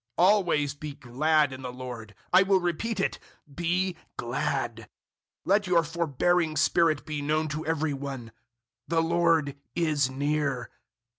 004:004 Always be glad in the Lord: I will repeat it, be glad. 004:005 Let your forbearing spirit be known to every one the Lord is near.